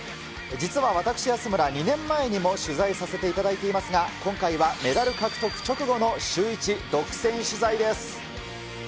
実は私、安村、２年前にも取材させていただいていますが、今回はメダル獲得直後のシューイチ独占取材です。